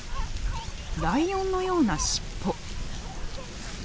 ライオンのような尻尾。